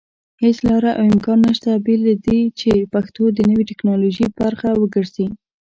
هيڅ لاره او امکان نشته بېله دې چې پښتو د نوي ټيکنالوژي پرخه وګرځي